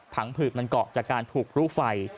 ผืดมันเกาะจากการถูกรูไฟ